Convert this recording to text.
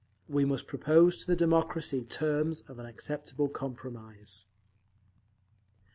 We must propose to the democracy terms of an acceptable compromise…."